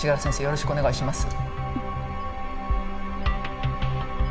よろしくお願いします。